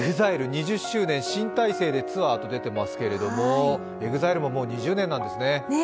ＥＸＩＬＥ、２０周年、新体制でツアーと出てますけどＥＸＩＬＥも、もう２０年なんですね。